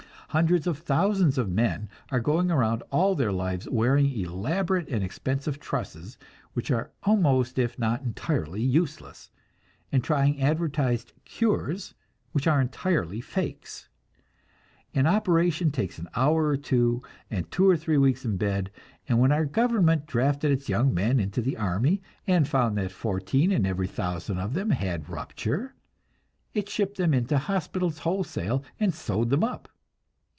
Hundreds of thousands of men are going around all their lives wearing elaborate and expensive trusses which are almost, if not entirely useless, and trying advertised "cures" which are entirely fakes. An operation takes an hour or two, and two or three weeks in bed, and when our government drafted its young men into the army and found that fourteen in every thousand of them had rupture, it shipped them into the hospitals wholesale and sewed them up.